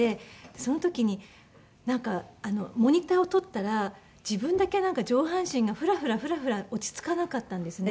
その時になんかモニターを撮ったら自分だけなんか上半身がフラフラフラフラ落ち着かなかったんですね。